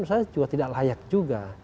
menurut saya juga tidak layak juga